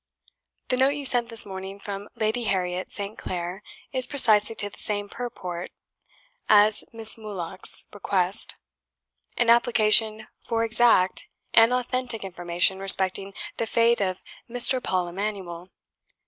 "The note you sent this morning from Lady Harriette St. Clair, is precisely to the same purport as Miss Muloch's request, an application for exact and authentic information respecting the fate of M. Paul Emanuel!